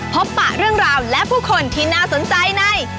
ปะเรื่องราวและผู้คนที่น่าสนใจใน